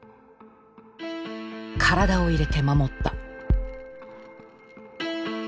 体を入れて守った。